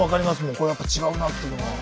これはやっぱ違うなっていうのは。